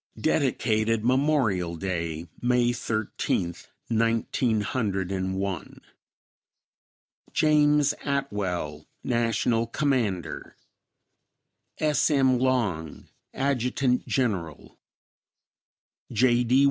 Dedicated Memorial Day, May Thirteenth, Nineteen Hundred and One. James Atwell, National Commander. S. M. Long, Adjt. Gen'l. J. D.